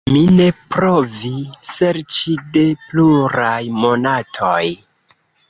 Mi ne provi serĉi de pluraj monatoj.